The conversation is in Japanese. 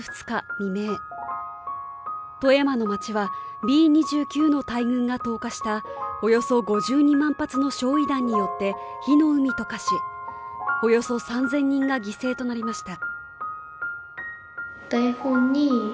未明、富山の街はＢ−２９の大群が投下したおよそ５２万発の焼い弾によって火の海と化しおよそ３０００人が犠牲となりました。